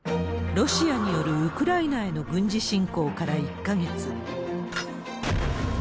ロシアによるウクライナへの軍事侵攻から１か月。